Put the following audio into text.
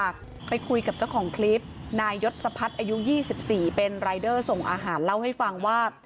ไปคุยกับเจ้าของคลิปนายยศพัฒน์อายุ๒๔เป็นรายเดอร์ส่งอาหารเล่าให้ฟังว่า